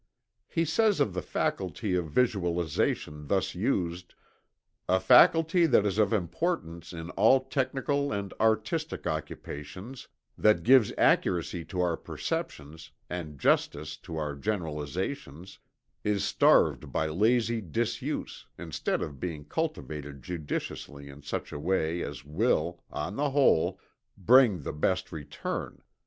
He says of the faculty of visualization thus used: "A faculty that is of importance in all technical and artistic occupations, that gives accuracy to our perceptions, and justice to our generalizations, is starved by lazy disuse, instead of being cultivated judiciously in such a way as will, on the whole, bring the best return.